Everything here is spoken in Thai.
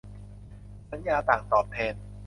สัญญาต่างตอบแทน